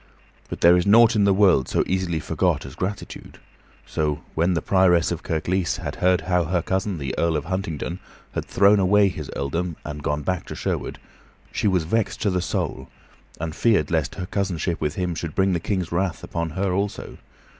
But there is nought in the world so easily forgot as gratitude; so, when the Prioress of Kirklees had heard how her cousin, the Earl of Huntingdon, had thrown away his earldom and gone back again to Sherwood, she was vexed to the soul, and feared lest her cousinship with him should bring the King's wrath upon her also.